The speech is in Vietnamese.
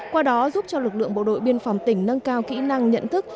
qua đó giúp cho lực lượng bộ đội biên phòng tỉnh nâng cao kỹ năng nhận thức